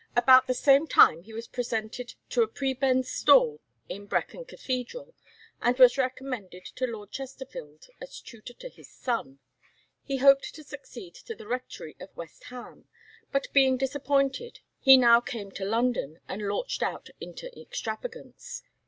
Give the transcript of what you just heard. About the same time he was presented to a prebend's stall in Brecon Cathedral, and was recommended to Lord Chesterfield as tutor to his son. He hoped to succeed to the rectory of West Ham, but being disappointed he now came to London, and launched out into extravagance.